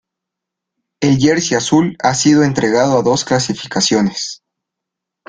El jersey azul ha sido entregado a dos clasificaciones.